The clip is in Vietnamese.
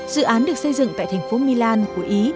dự án được xây dựng tại thành phố milan của ý